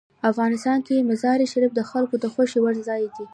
افغانستان کې مزارشریف د خلکو د خوښې وړ ځای دی.